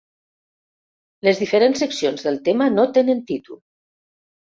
Les diferents seccions del tema no tenen títol.